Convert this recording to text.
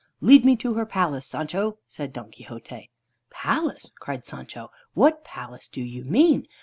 "Lead me to her palace, Sancho," said Don Quixote. "Palace?" cried Sancho, "What palace do you mean?